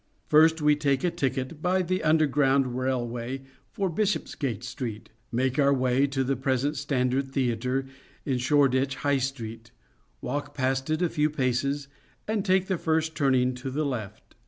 First, we take a ticket by the Underground Railway for Bishopsgate Street, make our way to the present Standard Theatre in Shoreditch High Street, walk past it a few paces, and take the first turning to the left.